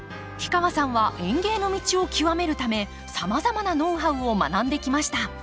氷川さんは園芸の道をきわめるためさまざまなノウハウを学んできました。